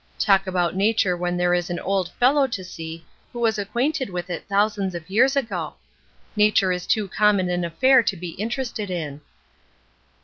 Talk about nature when there is an old fellow to see who was acquainted with it thousands of years ago. Nature is too common an affair to be interested in."